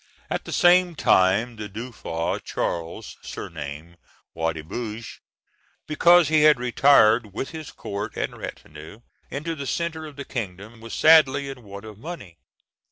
At the same time the Dauphin Charles, surnamed Roi de Bourges, because he had retired with his court and retinue into the centre of the kingdom (1422), was sadly in want of money.